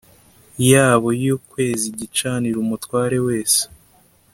yabo yo kweza igicaniro umutware wese